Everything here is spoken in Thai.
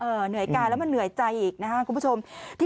เหนื่อยกายแล้วมันเหนื่อยใจอีกนะครับคุณผู้ชม